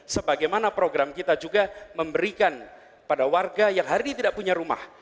sebagaimana program kita juga memberikan pada warga yang hari ini tidak punya rumah